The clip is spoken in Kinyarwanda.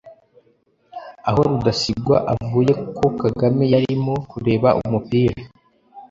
Aha Rudasingwa avuga ko Kagame yarimo kureba umupira